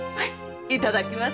いただきます。